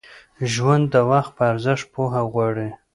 ژوند د وخت په ارزښت پوهه غواړي.